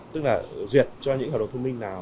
tức là duyệt cho những hợp đồng thông minh nào